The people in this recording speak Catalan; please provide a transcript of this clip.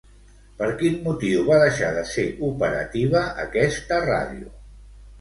Per quin motiu va deixar de ser operativa aquesta ràdio?